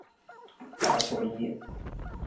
瓦索伊。